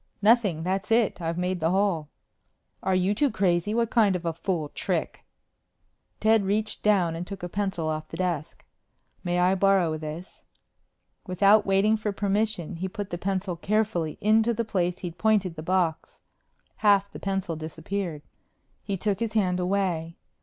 "Nothing. That's it. I've made the hole." "Are you two crazy? What kind of a fool trick ?" Ted reached down and took a pencil off the desk. "May I borrow this?" Without waiting for permission, he put the pencil carefully into the place he'd pointed the box. Half the pencil disappeared. He took his hand away.